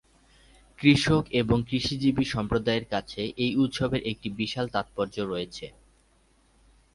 কৃষক এবং কৃষিজীবী সম্প্রদায়ের কাছে এই উৎসবের একটি বিশাল তাৎপর্য রয়েছে।